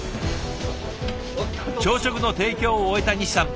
朝食の提供を終えた西さん。